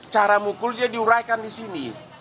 cara mukulnya diuraikan di sini